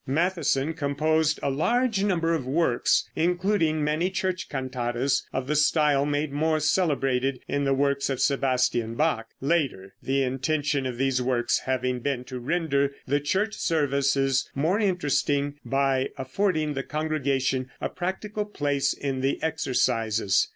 Mattheson composed a large number of works, including many church cantatas of the style made more celebrated in the works of Sebastian Bach, later, the intention of these works having been to render the church services more interesting by affording the congregation a practical place in the exercises.